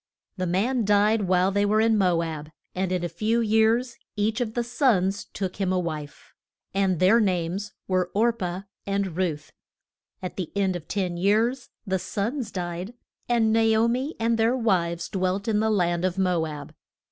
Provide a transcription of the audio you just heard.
The man died while they were in Mo ab, and in a few years each of the sons took him a wife. And their names were Or pah and Ruth. At the end of ten years the sons died, and Na o mi and their wives dwelt in the land of Mo ab.